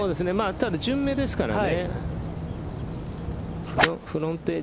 ただ順目ですからね。